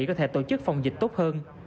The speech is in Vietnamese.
có thể tổ chức phòng dịch tốt hơn